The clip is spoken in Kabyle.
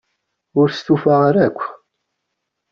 Ur stufaɣ ara akk.